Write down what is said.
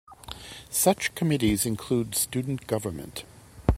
Such committees include Student Government.